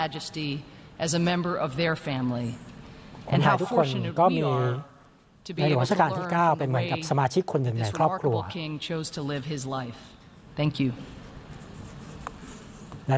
คุณฐานทุกคนก็มีนายหลวงชะการที่๙เป็นเหมือนกับสมาชิกคนเด่นในครอบครัว